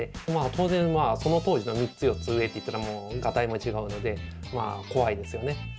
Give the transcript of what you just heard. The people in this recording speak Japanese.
当然その当時の３つ４つ上っていったらもうがたいも違うので怖いですよね。